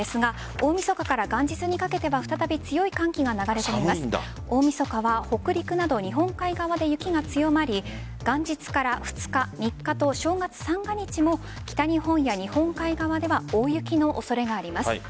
大晦日は北陸など日本海側で雪が強まり元日から２日、３日と正月三が日も北日本や日本海側では大雪の恐れがあります。